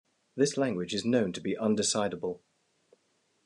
This language is known to be undecidable.